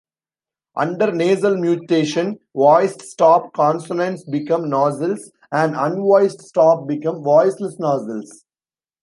Under nasal mutation, voiced stop consonants become nasals, and unvoiced stops become voiceless nasals.